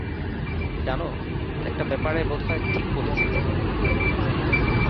জানো, একটা ব্যাপারে বোধহয় ঠিক বলেছিলে।